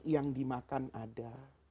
yang dimakan ada